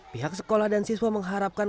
pihak sekolah dan siswa mengharapkan